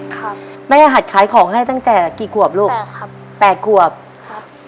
ครับแม่รหัสขายของให้ตั้งแต่กี่ขวบลูกอ่าครับแปดขวบครับ